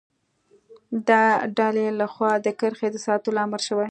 د ډلې له خوا د کرښې د ساتلو امر شوی.